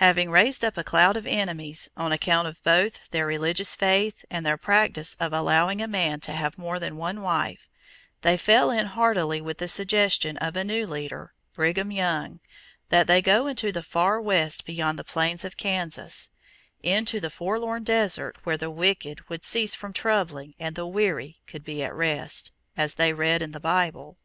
Having raised up a cloud of enemies on account of both their religious faith and their practice of allowing a man to have more than one wife, they fell in heartily with the suggestion of a new leader, Brigham Young, that they go into the Far West beyond the plains of Kansas into the forlorn desert where the wicked would cease from troubling and the weary could be at rest, as they read in the Bible.